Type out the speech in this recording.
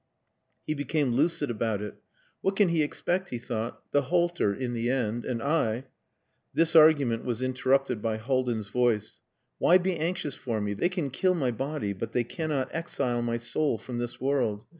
He became lucid about it. "What can he expect?" he thought. "The halter in the end. And I...." This argument was interrupted by Haldin's voice. "Why be anxious for me? They can kill my body, but they cannot exile my soul from this world.